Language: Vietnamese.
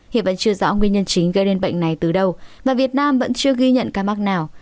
hiện vẫn chưa rõ nguyên nhân chính gây nên bệnh này từ đâu và việt nam vẫn chưa ghi nhận ca mắc nào